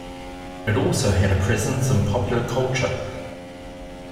It also had a presence in popular culture.